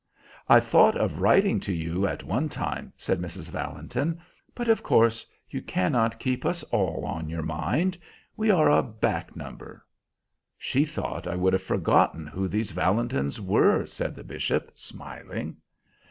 "I thought of writing to you at one time," said Mrs. Valentin, "but of course you cannot keep us all on your mind. We are a 'back number.'" "She thought I would have forgotten who these Valentins were," said the bishop, smiling.